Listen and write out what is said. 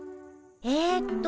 えっと